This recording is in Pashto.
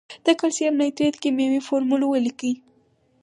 د کلسیم نایتریت کیمیاوي فورمول ولیکئ.